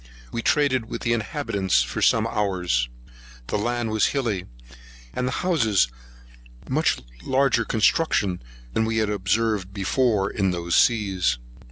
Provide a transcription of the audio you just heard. We traded with the inhabitants for some hours. The land was hilly, and the houses of much larger construction than we had observed in those seas.